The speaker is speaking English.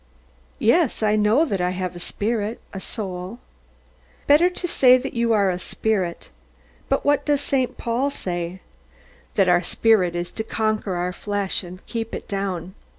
Yes, I know that I have a spirit, a soul. Better to say that you are a spirit. But what does St. Paul say? That our spirit is to conquer our flesh, and keep it down.